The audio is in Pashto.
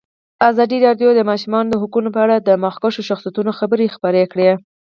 ازادي راډیو د د ماشومانو حقونه په اړه د مخکښو شخصیتونو خبرې خپرې کړي.